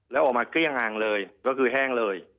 แล้วออกมาเกลี้ยงห่างเลยก็คือแห้งเลย